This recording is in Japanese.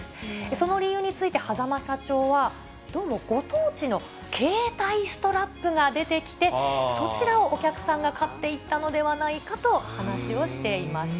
その理由について、間社長は、どうもご当地の携帯ストラップが出てきて、そちらをお客さんが買っていったのではないかと話をしていました。